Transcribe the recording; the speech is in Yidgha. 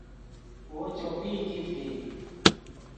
وو چوپئی کیت ڤی